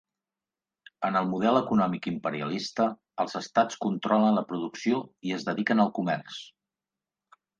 En el model econòmic imperialista, els estats controlen la producció i es dediquen al comerç.